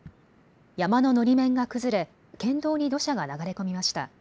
山ののり面が崩れ県道に土砂が流れ込みました。